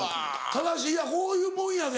正しいいやこういうもんやで。